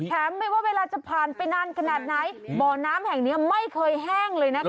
ไม่ว่าเวลาจะผ่านไปนานขนาดไหนบ่อน้ำแห่งนี้ไม่เคยแห้งเลยนะคะ